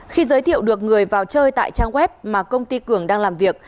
khi giới thiệu được người vào chơi tại trang web mà công ty cường đang làm việc